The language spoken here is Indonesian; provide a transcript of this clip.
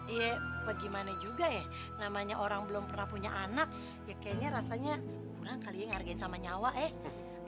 iya bagaimana juga ya namanya orang belum pernah punya anak ya kayaknya rasanya kurang kali ya ngargain sama nyawa eh